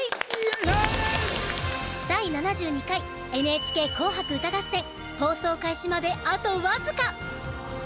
「第７２回ＮＨＫ紅白歌合戦」放送開始まで、あと僅か。